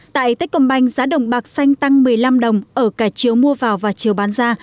tại tết công banh giá đồng bạc xanh tăng một mươi năm đồng ở cả chiều mua vào và chiều bán ra